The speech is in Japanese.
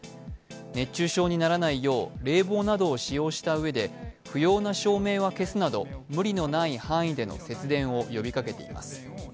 熱中症にならないよう冷房などを使用したうえで不要な照明は消すなど無理のない範囲での節電を呼びかけています。